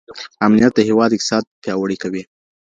امنیت د هیواد اقتصاد پیاوړی کوي.